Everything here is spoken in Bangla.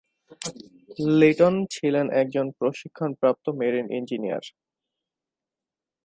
লিটন ছিলেন একজন প্রশিক্ষণ প্রাপ্ত মেরিন ইঞ্জিনিয়ার।